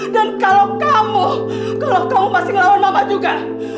kalau kamu kalau kamu masih ngelawan mama juga